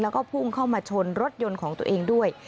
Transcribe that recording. แล้วก็พุ่งเข้ามาชนรถยนต์ของตัวเองด้วย